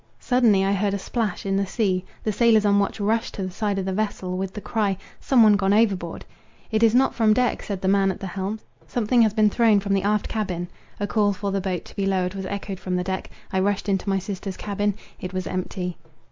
Suddenly I heard a splash in the sea. The sailors on watch rushed to the side of the vessel, with the cry—some one gone overboard. "It is not from deck," said the man at the helm, "something has been thrown from the aft cabin." A call for the boat to be lowered was echoed from the deck. I rushed into my sister's cabin; it was empty.